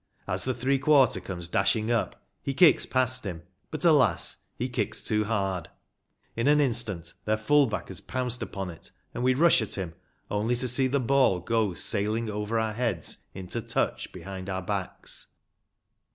As the three quarter comes dashing up, he kicks past him, but, alas ! he kicks too hard. In an instant their full back has pounced upon it, and we rush at him, only to see the ball go sailing over our heads into touch behind our backs.